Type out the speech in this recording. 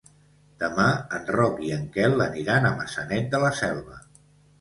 Demà en Roc i en Quel aniran a Maçanet de la Selva.